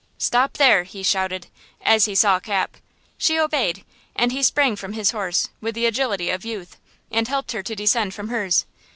"Stop there!" he shouted, as he saw Cap. She obeyed, and he sprang from his horse with the agility of youth, and helped her to descend from hers.